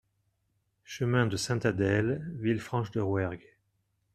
Chemin de Sainte-Adèle, Villefranche-de-Rouergue